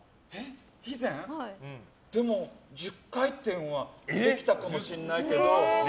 でも、１０回転はできたかもしれないけど。